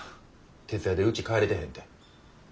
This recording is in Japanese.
徹夜でうち帰れてへんて。